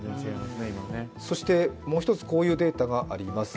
そして、もう一つ、こういうデータがあります。